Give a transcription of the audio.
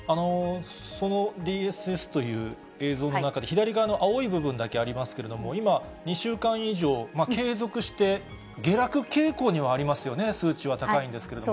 そのＤＳＳという映像の中で、左側の青い部分だけありますけど、今、２週間以上、継続して下落傾向にはありますよね、数値は高いんですけれども。